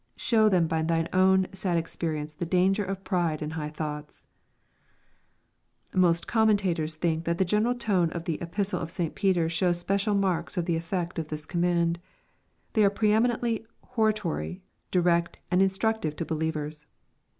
Show them by thine own sad experience the danger of pride and high thoughts" Most commenta.tor3 think that the g /neral tone of the Epistles of St. Peter shows special marks of t'je effect of this command. Tl.ey are pre eminently hortatory, direct, and instructive to be lievers.